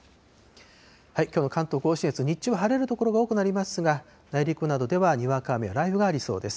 きょうの関東甲信越、日中は晴れる所が多くなりますが、内陸などではにわか雨や雷雨がありそうです。